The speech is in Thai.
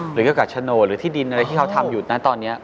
หรือเกี่ยวกับโฉนดหรือที่ดินอะไรที่เขาทำอยู่นะตอนนี้